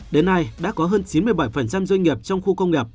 đến nay đã có hơn chín mươi bảy doanh nghiệp trong khu công nghiệp